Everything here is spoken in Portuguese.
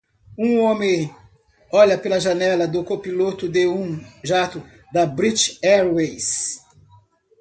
Um homem olha pela janela do copiloto de um jato da British Airways